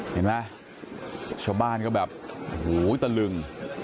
เห็นไหมชาวบ้านก็แบบโอ้โหตะลึง